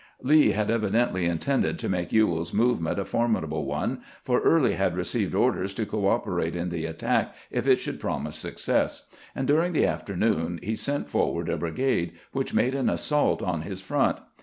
Lee had evidently intended to make Swell's movement a formidable one, for Early had received orders to coop erate in the attack if it should promise success, and dur ing the afternoon he sent forward a brigade which made an assault in his front.